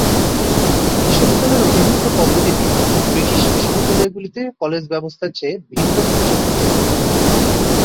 বিশ্ববিদ্যালয়ের অধিভুক্ত পদ্ধতিটি ব্রিটিশ বিশ্ববিদ্যালয়গুলিতে কলেজ ব্যবস্থার চেয়ে ভিন্ন উৎস থেকে উদ্ভূত।